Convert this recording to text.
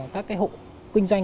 các hộ kinh doanh